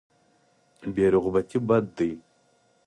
بې رغبتي بد دی.